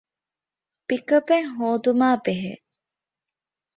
ޕިކަޕެއް ހޯދުމާބެހޭ